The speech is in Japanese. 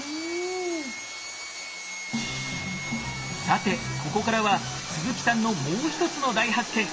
さてここからは鈴木さんのもう一つの大発見。